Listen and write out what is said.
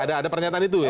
ada pernyataan itu ya